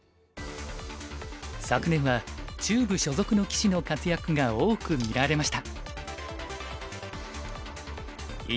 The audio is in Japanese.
昨年は中部所属の棋士の活躍が多く見られました。